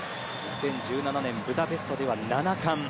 ２０１７年ブダペストでは７冠。